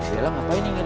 yaudah ngapain nih